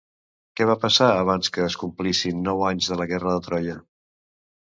Què va passar abans que es complissin nou anys de la guerra de Troia?